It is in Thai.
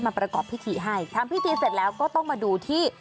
ประกอบพิธีให้ทำพิธีเสร็จแล้วก็ต้องมาดูที่